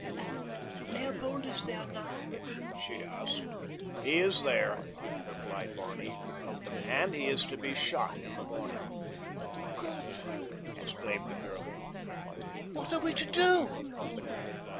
"And Leopold is there now?" she asked. "He is there," replied Barney, "and he is to be shot in the morning." "Gott!" exclaimed the girl. "What are we to do?"